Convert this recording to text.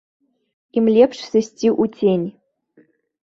Ім лепш сысці ў цень.